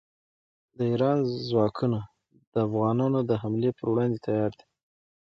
د ایران ځواکونه د افغانانو د حملې پر وړاندې تیار دي.